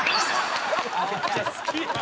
めっちゃ好きやん！